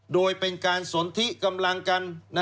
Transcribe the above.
โดยเป็นการสนทิกำลังกัน